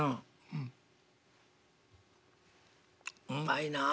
「うまいなあ」。